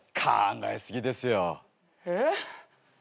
えっ？